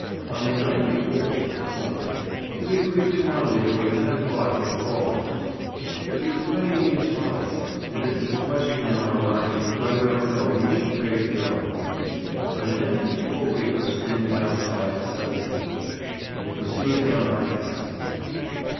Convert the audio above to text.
On the night before (Sunday) we agreed to rendezvous at 10 o'clock at the Raleigh Club. It was raining in torrents, and it was a question in our minds whether or no we should brave the elements; but an empty four wheeler standing outside settled the point, and we proceeded on our ghastly journey.